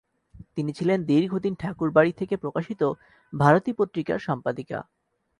তিনি ছিলেন দীর্ঘদিন ঠাকুরবাড়ি থেকে প্রকাশিত 'ভারতী' পত্রিকার সম্পাদিকা।